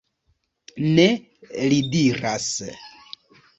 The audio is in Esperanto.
Ne, li diras.